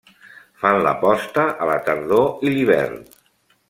Fan la posta a la tardor i l'hivern.